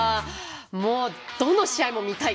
もうどの試合も見たい。